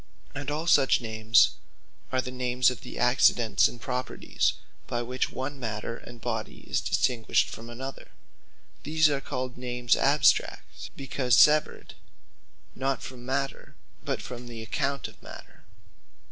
And all such Names, are the names of the accidents and properties, by which one Matter, and Body is distinguished from another. These are called Names Abstract; Because Severed (not from Matter, but) from the account of Matter.